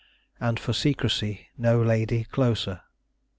. And for secrecy No lady closer."